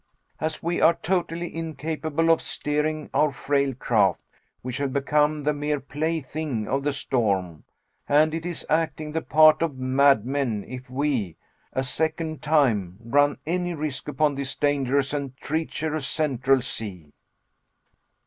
As we are totally incapable of steering our frail craft, we shall become the mere plaything of the storm, and it is acting the part of madmen if we, a second time, run any risk upon this dangerous and treacherous Central Sea."